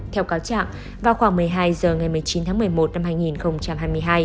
theo cáo trạng vào khoảng một mươi hai giờ ngày một mươi chín tháng một mươi một năm hai nghìn